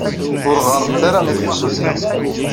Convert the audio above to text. Ur ɣɣaremt ara i temsulta.